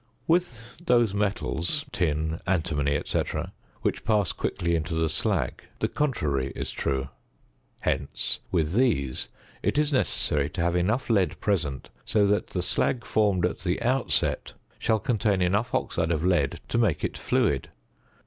With those metals (tin, antimony, &c.) which pass quickly into the slag, the contrary is true; hence with these it is necessary to have enough lead present, so that the slag formed at the outset shall contain enough oxide of lead to make it fluid.